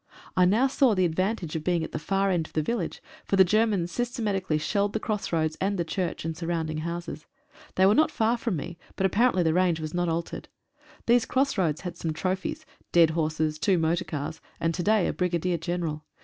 I now saw the advantage of being at the far end of the village, for the Germans systematically shelled the cross roads and the church and surrounding houses. They were not far from me, but apparently the range was not altered. These cross roads had some trophies — dead horses, two motor cars, and to day a Brigadier General.